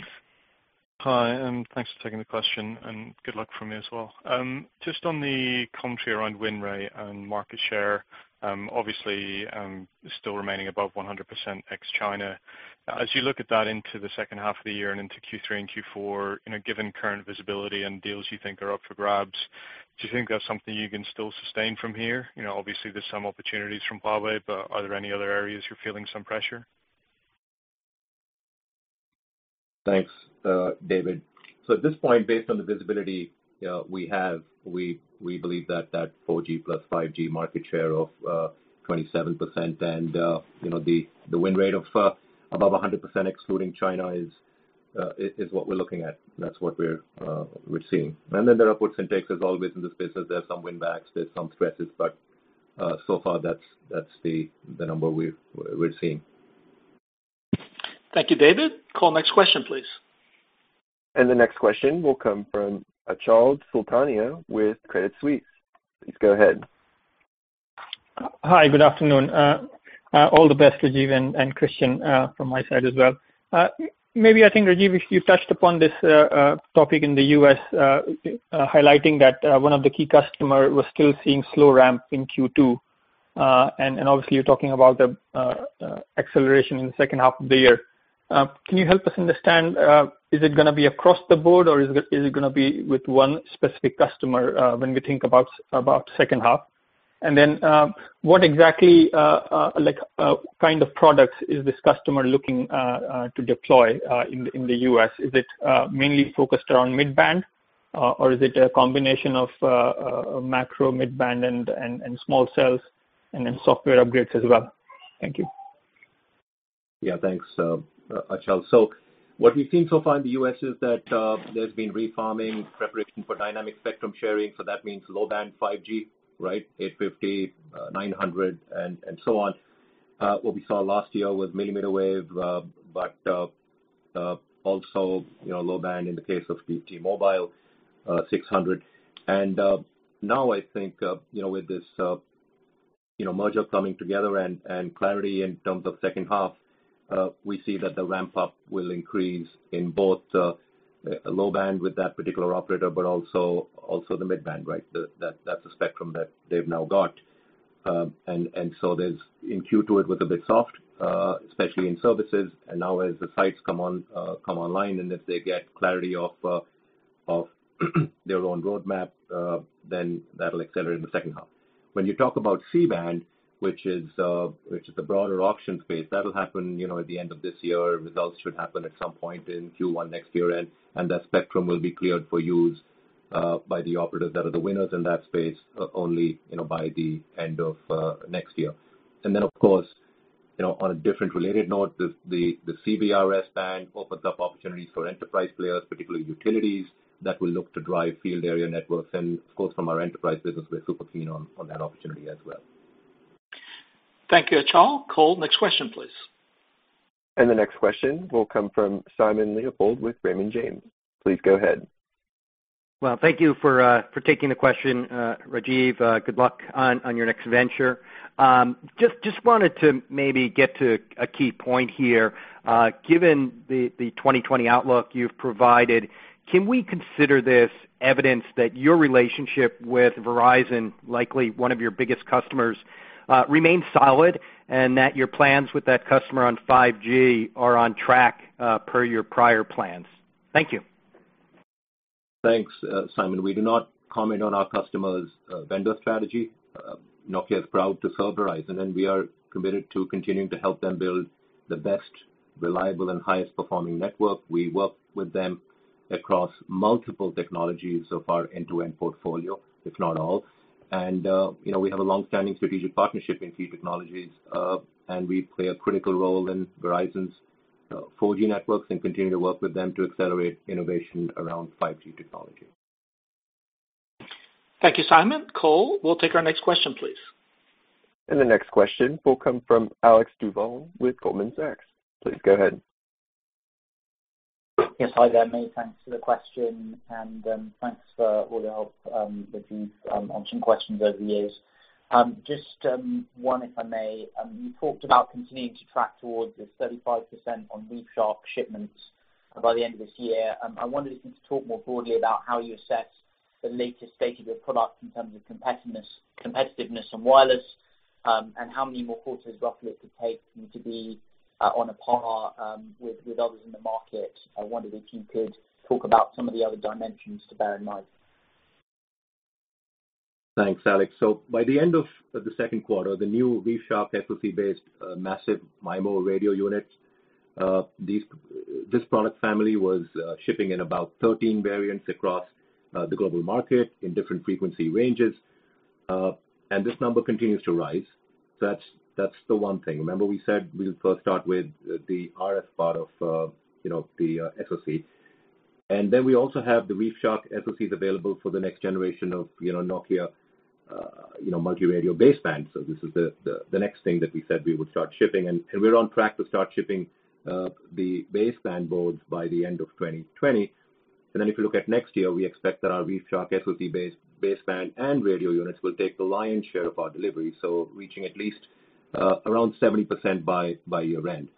Hi. Thanks for taking the question, and good luck from me as well. Just on the commentary around win rate and market share, obviously, still remaining above 100% ex-China. As you look at that into the second half of the year and into Q3 and Q4, given current visibility and deals you think are up for grabs, do you think that's something you can still sustain from here? Obviously, there's some opportunities from Huawei. Are there any other areas you're feeling some pressure? Thanks, David. At this point, based on the visibility we have, we believe that that 4G plus 5G market share of 27% and the win rate of above 100% excluding China is what we're looking at. That's what we're seeing. There are puts and takes as always in the spaces. There's some win backs, there's some stresses. So far, that's the number we're seeing. Thank you, David. Cole, next question, please. The next question will come from Achal Sultania with Credit Suisse. Please go ahead. Hi, good afternoon. All the best, Rajeev and Kristian, from my side as well. Maybe I think, Rajeev, you touched upon this topic in the U.S., highlighting that one of the key customer was still seeing slow ramp in Q2. Obviously, you're talking about the acceleration in the second half of the year. Can you help us understand, is it going to be across the board, or is it going to be with one specific customer when we think about second half? What exactly kind of products is this customer looking to deploy in the U.S.? Is it mainly focused around mid-band, or is it a combination of macro mid-band and small cells, and then software upgrades as well? Thank you. Yeah, thanks Achal. What we've seen so far in the U.S. is that there's been refarming preparation for dynamic spectrum sharing, so that means low-band 5G, right? 850, 900, and so on. What we saw last year was mmWave, but also low-band in the case of T-Mobile, 600. Now I think with this merger coming together and clarity in terms of second half, we see that the ramp-up will increase in both low-band with that particular operator, but also the mid-band, right? That's the spectrum that they've now got. There's in Q2 it was a bit soft, especially in services. Now as the sites come online, and if they get clarity of their own roadmap, then that'll accelerate in the second half. When you talk about C-band, which is the broader auction space, that'll happen at the end of this year. Results should happen at some point in Q1 next year, and that spectrum will be cleared for use by the operators that are the winners in that space only by the end of next year. Then of course, on a different related note, the CBRS band opens up opportunities for enterprise players, particularly utilities that will look to drive field area networks. Of course, from our enterprise business, we're super keen on that opportunity as well. Thank you, Achal. Cole, next question please. The next question will come from Simon Leopold with Raymond James. Please go ahead. Well, thank you for taking the question, Rajeev. Good luck on your next venture. Just wanted to maybe get to a key point here. Given the 2020 outlook you've provided, can we consider this evidence that your relationship with Verizon, likely one of your biggest customers, remains solid, and that your plans with that customer on 5G are on track per your prior plans? Thank you. Thanks, Simon. We do not comment on our customers' vendor strategy. Nokia is proud to serve Verizon, and we are committed to continuing to help them build the best reliable and highest performing network. We work with them across multiple technologies so far, end-to-end portfolio, if not all. We have a longstanding strategic partnership in key technologies, and we play a critical role in Verizon's 4G networks and continue to work with them to accelerate innovation around 5G technology. Thank you, Simon. Cole, we'll take our next question, please. The next question will come from Alex Duval with Goldman Sachs. Please go ahead. Yes. Hi there. Many thanks for the question, and thanks for all the help that you've answered questions over the years. Just one, if I may. You talked about continuing to track towards this 35% on ReefShark shipments by the end of this year. I wonder if you could talk more broadly about how you assess the latest state of your product in terms of competitiveness on wireless, and how many more quarters roughly it could take for you to be on a par with others in the market. I wonder if you could talk about some of the other dimensions to bear in mind. Thanks, Alex. By the end of the second quarter, the new ReefShark SoC-based Massive MIMO radio unit, this product family was shipping in about 13 variants across the global market in different frequency ranges. This number continues to rise. That's the one thing. Remember we said we'll first start with the RF part of the SoC. We also have the ReefShark SoCs available for the next generation of Nokia multi-radio baseband. This is the next thing that we said we would start shipping, and we're on track to start shipping the baseband boards by the end of 2020. If you look at next year, we expect that our ReefShark SoC baseband and radio units will take the lion's share of our delivery, reaching at least around 70% by year-end.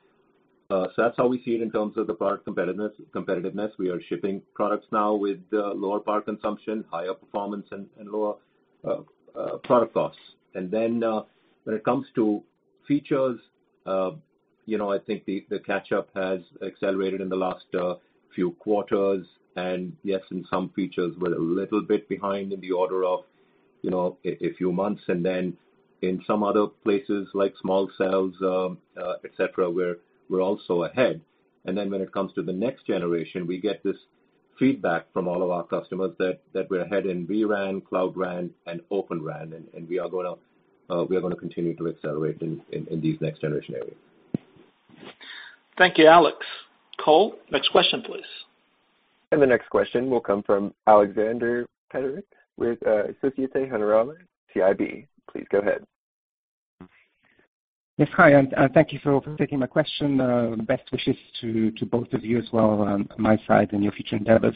That's how we see it in terms of the product competitiveness. We are shipping products now with lower power consumption, higher performance, and lower product costs. When it comes to features, I think the catch-up has accelerated in the last few quarters. In some features we're a little bit behind in the order of a few months. In some other places, like small cells, et cetera, we're also ahead. When it comes to the next generation, we get this feedback from all of our customers that we're ahead in vRAN, Cloud RAN, and Open RAN, and we are going to continue to accelerate in these next generation areas. Thank you, Alex. Cole, next question please. The next question will come from Alexander Peterc with Societe Generale CIB. Please go ahead. Yes, hi. Thank you for taking my question. Best wishes to both of you as well on my side and your future endeavors.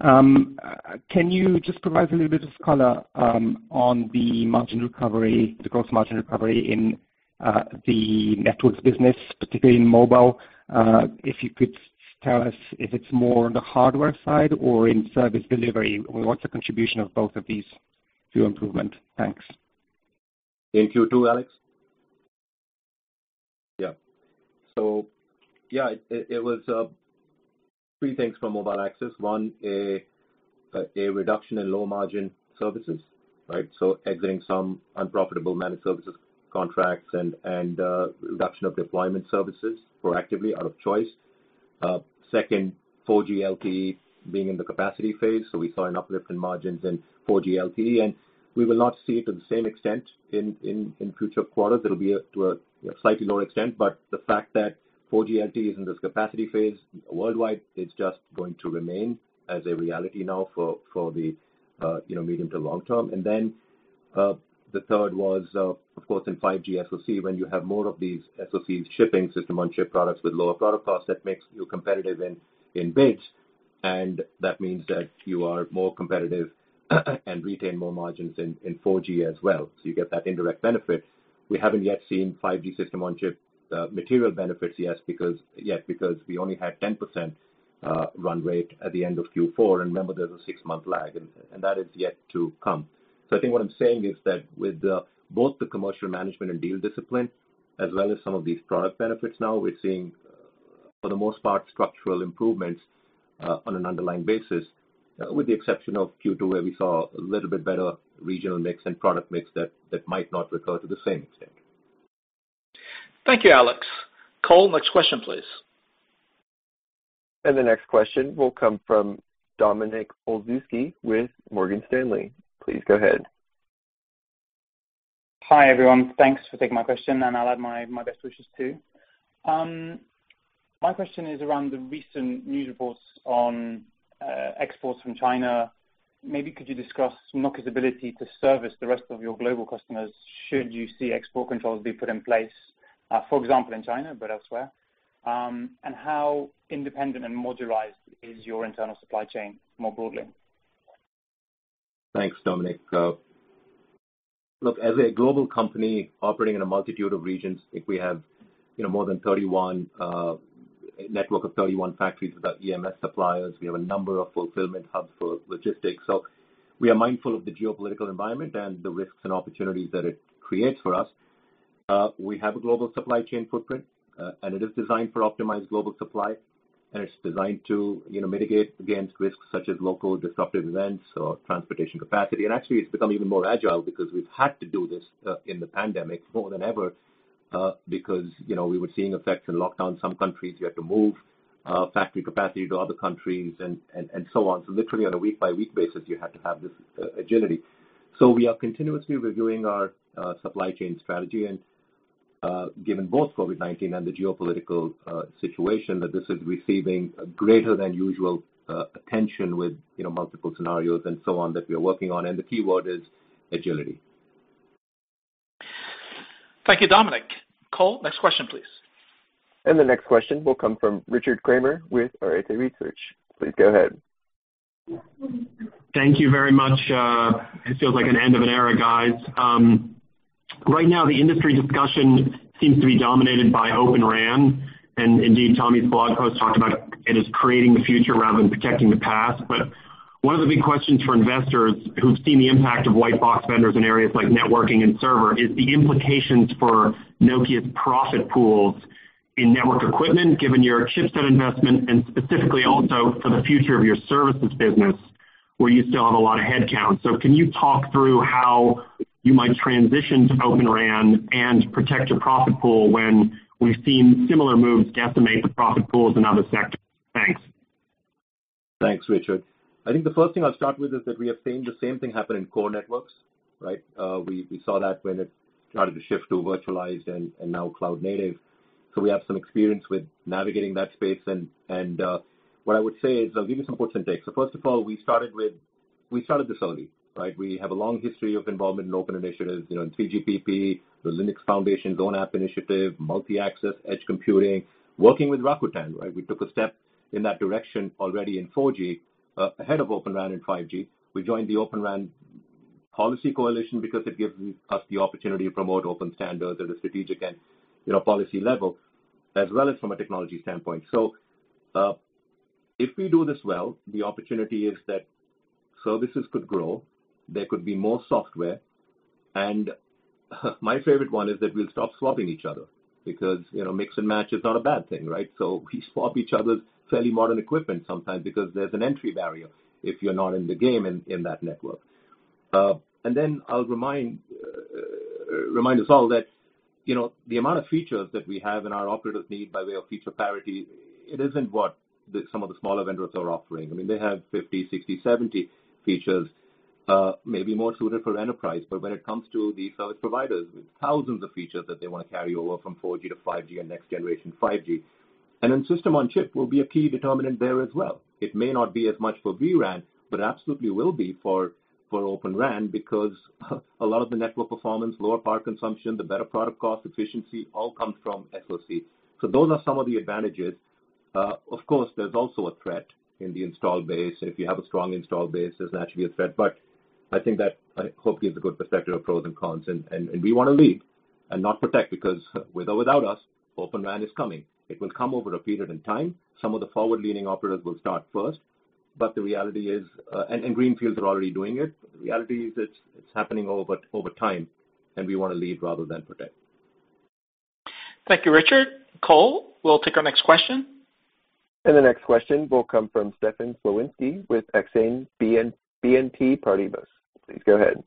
Can you just provide a little bit of color on the margin recovery, the gross margin recovery in the networks business, particularly in mobile, if you could tell us if it's more on the hardware side or in service delivery. What's the contribution of both of these to improvement? Thanks. Thank you to Alex. Yeah. It was three things from Mobile Networks. One, a reduction in low-margin services. Exiting some unprofitable managed services contracts and reduction of deployment services proactively out of choice. Second, 4G LTE being in the capacity phase, so we saw an uplift in margins in 4G LTE, and we will not see it to the same extent in future quarters. It'll be to a slightly lower extent. The fact that 4G LTE is in this capacity phase worldwide, it's just going to remain as a reality now for the medium to long term. The third was, of course, in 5G SoC, when you have more of these SoCs shipping system on chip products with lower product costs, that makes you competitive in bids, and that means that you are more competitive and retain more margins in 4G as well. You get that indirect benefit. We haven't yet seen 5G System on a chip material benefits yet because we only had 10% run rate at the end of Q4. Remember, there's a six-month lag, and that is yet to come. I think what I'm saying is that with both the commercial management and deal discipline, as well as some of these product benefits now, we're seeing, for the most part, structural improvements on an underlying basis, with the exception of Q2 where we saw a little bit better regional mix and product mix that might not recur to the same extent. Thank you, Alex. Cole, next question, please. The next question will come from Dominik Olszewski with Morgan Stanley. Please go ahead. Hi, everyone. Thanks for taking my question, and I'll add my best wishes, too. My question is around the recent news reports on exports from China. Maybe could you discuss Nokia's ability to service the rest of your global customers should you see export controls be put in place, for example, in China, but elsewhere? How independent and modularized is your internal supply chain, more broadly? Thanks, Dominik. Look, as a global company operating in a multitude of regions, I think we have more than 31 network of 31 factories without EMS suppliers. We have a number of fulfillment hubs for logistics. We are mindful of the geopolitical environment and the risks and opportunities that it creates for us. We have a global supply chain footprint, and it is designed for optimized global supply, and it's designed to mitigate against risks such as local disruptive events or transportation capacity. Actually, it's become even more agile because we've had to do this in the pandemic more than ever because we were seeing effects in lockdown. Some countries, you had to move factory capacity to other countries and so on. Literally on a week-by-week basis, you had to have this agility. We are continuously reviewing our supply chain strategy and, given both COVID-19 and the geopolitical situation, that this is receiving greater than usual attention with multiple scenarios and so on that we are working on, and the keyword is agility. Thank you, Dominik. Cole, next question, please. The next question will come from Richard Kramer with Arete Research. Please go ahead. Thank you very much. It feels like an end of an era, guys. Right now, the industry discussion seems to be dominated by Open RAN, and indeed, Tommi's blog post talked about it as creating the future rather than protecting the past. One of the big questions for investors who've seen the impact of white box vendors in areas like networking and server is the implications for Nokia's profit pools in network equipment, given your chipset investment and specifically also for the future of your services business, where you still have a lot of headcount. Can you talk through how you might transition to Open RAN and protect your profit pool when we've seen similar moves decimate the profit pools in other sectors? Thanks. Thanks, Richard. I think the first thing I'll start with is that we have seen the same thing happen in core networks. We saw that when it started to shift to virtualized and now cloud native. We have some experience with navigating that space, and what I would say is I'll give you some points and takes. First of all, we started this early. We have a long history of involvement in open initiatives, in 3GPP, the Linux Foundation, ONAP initiative, multi-access edge computing, working with Rakuten. We took a step in that direction already in 4G, ahead of Open RAN in 5G. We joined the Open RAN Policy Coalition because it gives us the opportunity to promote open standards at a strategic and policy level, as well as from a technology standpoint. If we do this well, the opportunity is that services could grow, there could be more software, and my favorite one is that we'll stop swapping each other because mix and match is not a bad thing. We swap each other's fairly modern equipment sometimes because there's an entry barrier if you're not in the game in that network. I'll remind us all that the amount of features that we have and our operators need by way of feature parity, it isn't what some of the smaller vendors are offering. I mean, they have 50, 60, 70 features, maybe more suited for enterprise. When it comes to the service providers, with thousands of features that they want to carry over from 4G to 5G and next generation 5G. System on chip will be a key determinant there as well. It may not be as much for vRAN, but absolutely will be for Open RAN because a lot of the network performance, lower power consumption, the better product cost efficiency all comes from SoC. Those are some of the advantages. Of course, there's also a threat in the install base. If you have a strong install base, there's naturally a threat. I think that hopefully is a good perspective of pros and cons, and we want to lead and not protect, because with or without us, Open RAN is coming. It will come over a period in time. Some of the forward-leaning operators will start first, and greenfields are already doing it. The reality is it's happening over time, and we want to lead rather than protect. Thank you, Richard. Cole, we'll take our next question. The next question will come from Stefan Slowinski with Exane BNP Paribas. Please go ahead.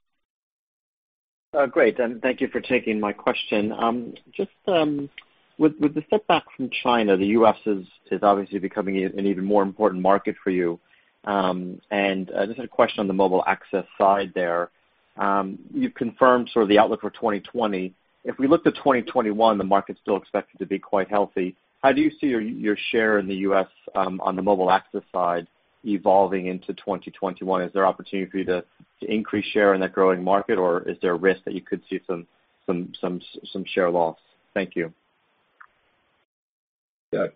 Great. Thank you for taking my question. Just with the setback from China, the U.S. is obviously becoming an even more important market for you. Just had a question on the mobile access side there. You've confirmed sort of the outlook for 2020. If we look to 2021, the market's still expected to be quite healthy. How do you see your share in the U.S. on the mobile access side evolving into 2021? Is there opportunity for you to increase share in that growing market, or is there a risk that you could see some share loss? Thank you. Yeah.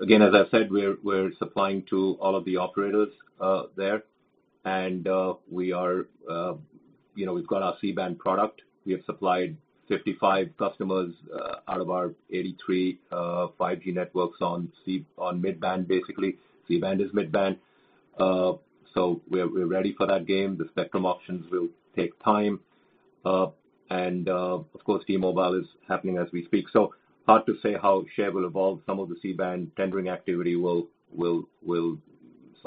Again, as I said, we're supplying to all of the operators there. We've got our C-band product. We have supplied 55 customers out of our 83 5G networks on mid-band, basically. C-band is mid-band. We're ready for that game. The spectrum auctions will take time. Of course, T-Mobile is happening as we speak, so hard to say how share will evolve. Some of the C-band tendering activity, some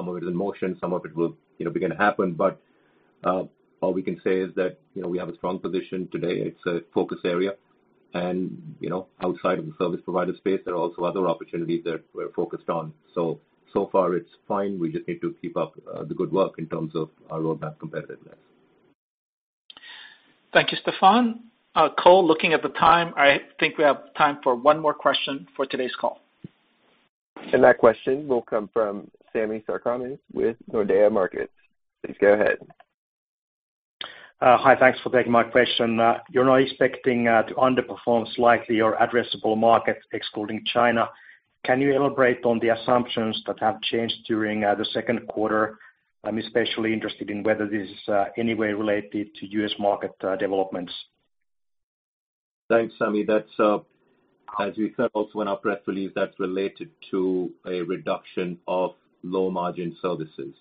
of it is in motion, some of it will begin to happen. All we can say is that we have a strong position today. It's a focus area. Outside of the service provider space, there are also other opportunities that we're focused on. So far it's fine. We just need to keep up the good work in terms of our roadmap competitiveness. Thank you, Stefan. Cole, looking at the time, I think we have time for one more question for today's call. That question will come from Sami Sarkamies with Nordea Markets. Please go ahead. Hi, thanks for taking my question. You're now expecting to underperform slightly your addressable market excluding China. Can you elaborate on the assumptions that have changed during the second quarter? I'm especially interested in whether this is any way related to U.S. market developments. Thanks, Sami. As we said also in our press release, that's related to a reduction of low-margin services.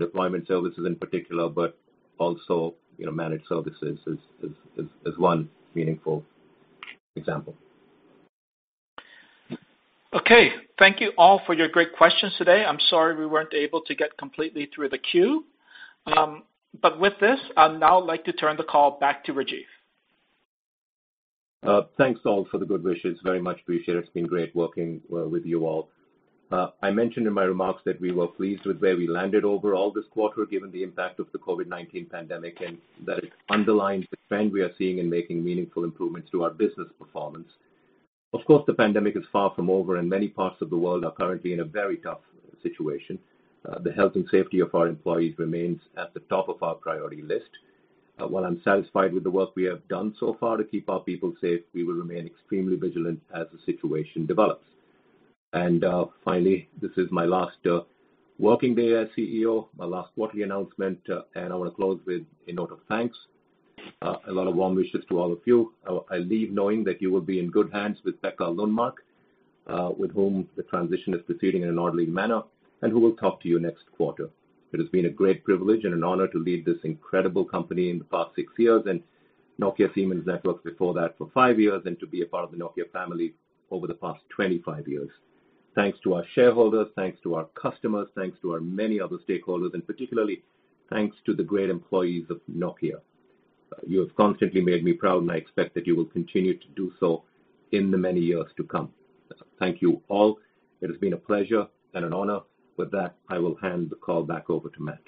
Deployment services in particular, but also managed services as one meaningful example. Okay. Thank you all for your great questions today. I'm sorry we weren't able to get completely through the queue. With this, I'd now like to turn the call back to Rajeev. Thanks all for the good wishes. Very much appreciate it. It's been great working with you all. I mentioned in my remarks that we were pleased with where we landed overall this quarter, given the impact of the COVID-19 pandemic, and that it underlines the trend we are seeing in making meaningful improvements to our business performance. Of course, the pandemic is far from over, and many parts of the world are currently in a very tough situation. The health and safety of our employees remains at the top of our priority list. While I'm satisfied with the work we have done so far to keep our people safe, we will remain extremely vigilant as the situation develops. Finally, this is my last working day as CEO, my last quarterly announcement, and I want to close with a note of thanks. A lot of warm wishes to all of you. I leave knowing that you will be in good hands with Pekka Lundmark, with whom the transition is proceeding in an orderly manner and who will talk to you next quarter. It has been a great privilege and an honor to lead this incredible company in the past six years and Nokia Siemens Networks before that for five years, and to be a part of the Nokia family over the past 25 years. Thanks to our shareholders, thanks to our customers, thanks to our many other stakeholders, and particularly, thanks to the great employees of Nokia. You have constantly made me proud, and I expect that you will continue to do so in the many years to come. Thank you all. It has been a pleasure and an honor. With that, I will hand the call back over to Matt.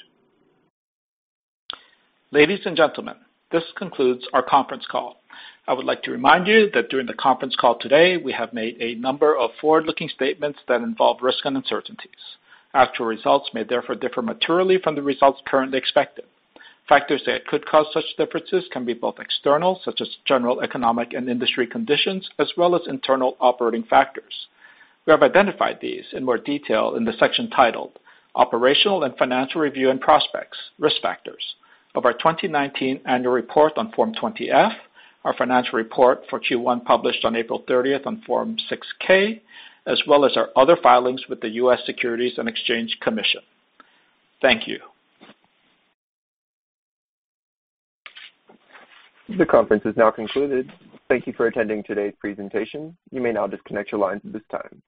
Ladies and gentlemen, this concludes our conference call. I would like to remind you that during the conference call today, we have made a number of forward-looking statements that involve risks and uncertainties. Actual results may therefore differ materially from the results currently expected. Factors that could cause such differences can be both external, such as general economic and industry conditions, as well as internal operating factors. We have identified these in more detail in the section titled "Operational and Financial Review and Prospects - Risk Factors" of our 2019 annual report on Form 20-F, our financial report for Q1, published on April 30th on Form 6-K, as well as our other filings with the U.S. Securities and Exchange Commission. Thank you. The conference is now concluded. Thank you for attending today's presentation. You may now disconnect your lines at this time.